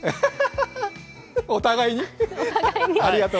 「お互いに」？